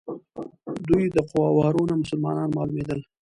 دوی د قوارو نه مسلمانان معلومېدل.